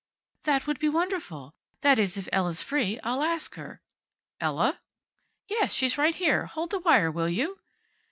"That would be wonderful. That is, if Ella's free. I'll ask her." "Ella?" "Yes. She's right here. Hold the wire, will you?"